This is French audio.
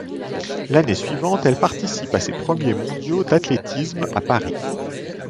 L'année suivante, elle participe à ses premiers mondiaux d'athlétisme à Paris.